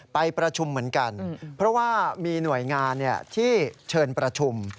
ไปประชุมเหมือนกันเพราะว่ามีหน่วยงานที่เชิญประชุม